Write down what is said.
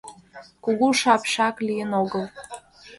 Кугу шапшак лийын огыл.